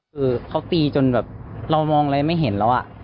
คือเขาตีจนแบบเรามองอะไรไม่เห็นแล้ว